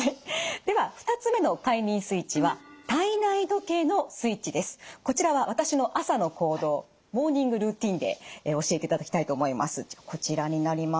では２つ目の快眠スイッチはこちらは私の朝の行動モーニングルーティンで教えていただきたいと思います。